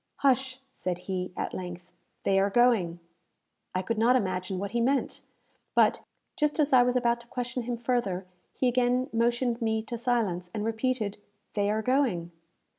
"Hush!" said he, at length. "They are going." I could not imagine what he meant; but, just as I was about to question him further, he again motioned me to silence, and repeated, "They are going."